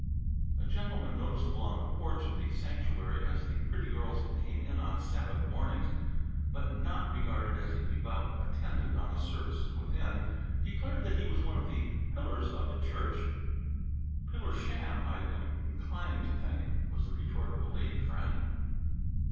A gentleman, noticeable on the porch of the sanctuary as the pretty girls came in on Sabbath mornings, but not regarded as a devout attendant on the services within, declared that he was one of the "pillars of the church!" "Pillar sham, I am inclined to think," was the retort of a lady friend.